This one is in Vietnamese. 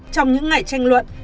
trong những ngày tranh luận